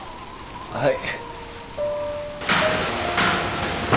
はい。